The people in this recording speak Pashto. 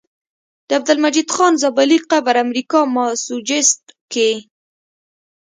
د عبدالمجيد خان زابلي قبر امريکا ماسوچست کي